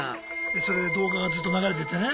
それで動画がずっと流れててね。